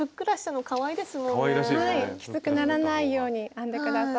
きつくならないように編んで下さい。